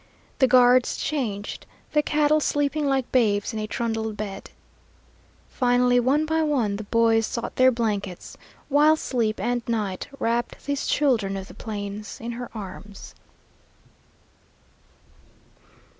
The guards changed, the cattle sleeping like babes in a trundle bed. Finally one by one the boys sought their blankets, while sleep and night wrapped these children of the plains in her arms.